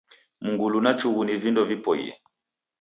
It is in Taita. Mngulu na chughu ni vindo viboie.